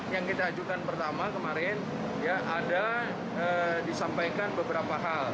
yang kita ajukan pertama kemarin ya ada disampaikan beberapa hal